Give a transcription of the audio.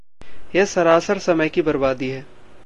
यह सरासर समय की बर्बादी है।